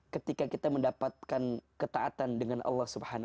ketika kita mendapatkan ketaatan dengan allah subhanahu wa ta'ala